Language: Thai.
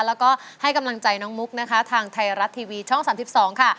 แล้วก็ให้กำลังใจน้องมุกนะคะทางไทยรัฐทีวีช่อง๓๒ค่ะ